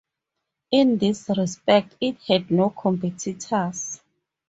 In this respect, it had no competitors.